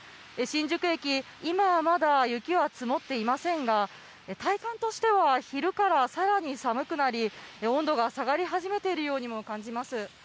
新宿駅、今はまだ雪は積もっていませんが、体感としては昼からさらに寒くなり、温度が下がり始めているようにも感じます。